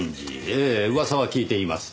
ええ噂は聞いています。